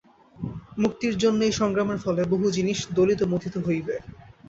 মুক্তির জন্য এই সংগ্রামের ফলে বহু জিনিষ দলিত-মথিত হইবে।